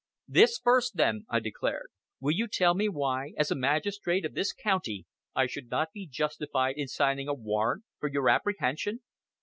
"This first, then," I declared. "Will you tell me why, as a magistrate of this county, I should not be justified in signing a warrant for your apprehension?"